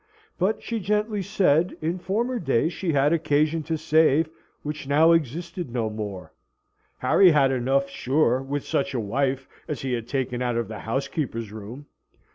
But she gently said, in former days she had occasion to save, which now existed no more. Harry had enough, sure, with such a wife as he had taken out of the housekeeper's room.